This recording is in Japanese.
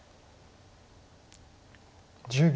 １０秒。